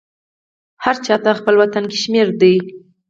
هرچاته خپل وطن کشمیردی